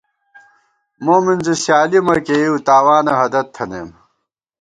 مومِنزِی سیالی مہ کېئیؤ، تاوانہ ہَدَت تھنَئیم